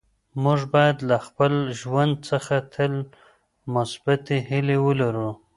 موږ باید له خپل ژوند څخه تل مثبتې هیلې ولرو.